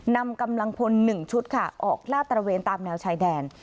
นำกำลังพล๑ชุดค่ะออกลาดตระเวนตามแนวชายแดน